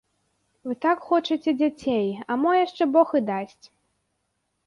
Вы так хочаце дзяцей, а мо яшчэ бог і дасць.